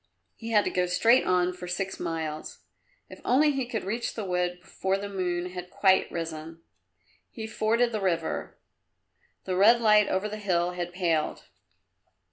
He had to go straight on for six miles. If only he could reach the wood before the moon had quite risen! He forded the river. The red light over the hill had paled.